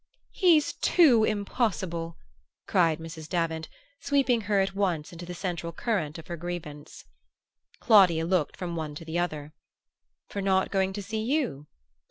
"He's too impossible!" cried Mrs. Davant, sweeping her at once into the central current of her grievance. Claudia looked from one to the other. "For not going to see you?"